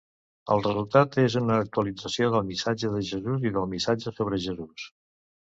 El resultat és una actualització del missatge de Jesús i del missatge sobre Jesús.